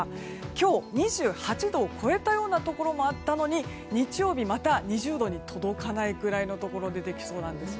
今日、２８度を超えたようなところもあったのに日曜日、また２０度に届かないところが出てきそうです。